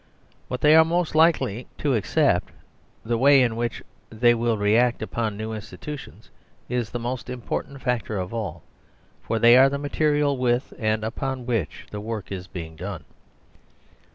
What they are most likely to accept, the way in which they will react upon new institutions is the most important factor of all, for they are the material with and upon which the work is being done.